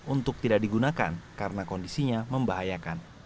untuk tidak digunakan karena kondisinya membahayakan